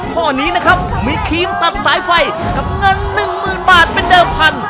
ข้อนี้นะครับมีครีมตัดสายไฟกับเงิน๑๐๐๐บาทเป็นเดิมพัน